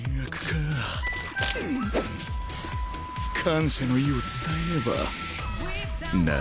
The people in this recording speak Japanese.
感謝の意を伝えねばな。